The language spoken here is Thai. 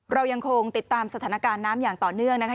เรายังคงติดตามสถานการณ์น้ำอย่างต่อเนื่องนะคะ